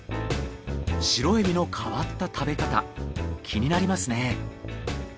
シロエビの変わった食べ方気になりますね。